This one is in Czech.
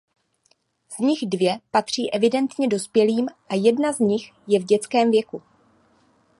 Z nich dvě patří evidentně dospělým a jedna z nich je v dětském věku.